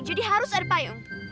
jadi harus ada payung